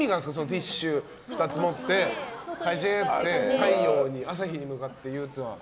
ティッシュ２つ持ってかじぇー！って朝日に向かって言うっていうのは。